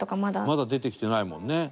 伊達：まだ出てきてないもんね。